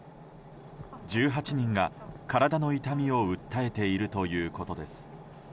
１８人が体の痛みを訴えているということです。